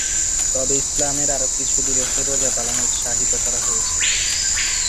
তবে ইসলামের আরো কিছু দিবসে রোজা পালনে উৎসাহিত করা হয়েছে।